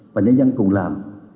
và nhân dân cùng làm